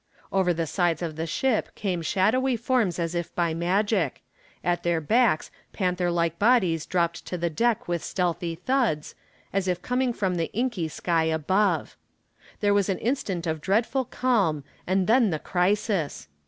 Over the sides of the ship came shadowy forms as if by magic; at their backs panther like bodies dropped to the deck with stealthy thuds, as if coming from the inky sky above. There was an instant of dreadful calm and then the crisis.